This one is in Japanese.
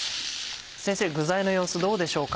先生具材の様子どうでしょうか。